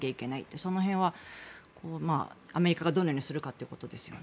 その辺はアメリカがどのようにするかってことですよね。